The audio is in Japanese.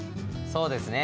そうですね。